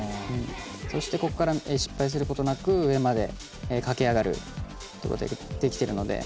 そして、失敗することなく上まで駆け上がるということができているので。